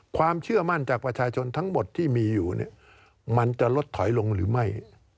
ความเชื่อมั่นจากประชาชนทั้งหมดที่มีอยู่เนี่ยมันจะลดถอยลงหรือไม่